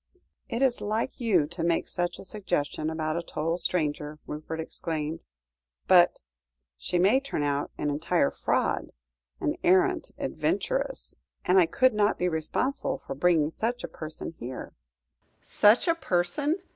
"It is like you to make such a suggestion about a total stranger," Rupert exclaimed, "but she may turn out an entire fraud an arrant adventuress and I could not be responsible for bringing such a person here." "Such a person!